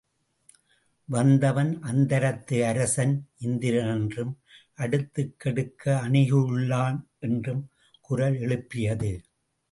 வந்தவன் அந்தரத்து அரசன் இந்திரன் என்றும், அடுத்துக் கெடுக்க அணுகியுள்ளான் என்றும் குரல் எழுப்பியது.